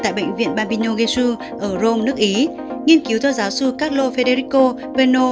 tại bệnh viện bambino gesù ở rome nước ý nghiên cứu do giáo sư carlo federico venno